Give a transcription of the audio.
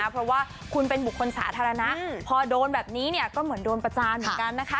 เพราะว่าคุณเป็นบุคคลสาธารณะพอโดนแบบนี้เนี่ยก็เหมือนโดนประจานเหมือนกันนะคะ